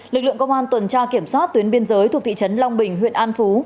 lực lượng công an tuần tra kiểm soát tuyến biên giới thuộc thị trấn long bình huyện an phú